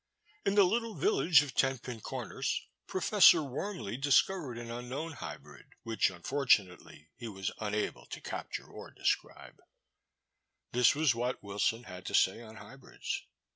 In the little village of Ten Pin Comers, Professor Wormly discovered an un known hybrid, which, unfortunately, he was un able to capture or describe/' This was what Wilson had to say on hybrids.